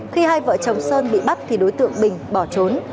khi hai vợ chồng sơn bị bắt thì đối tượng bình bỏ trốn